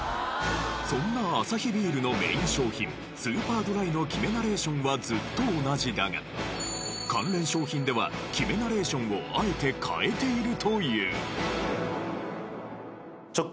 そんなアサヒビールのメイン商品スーパードライの決めナレーションはずっと同じだが関連商品では決めナレーションをあえて変えているという。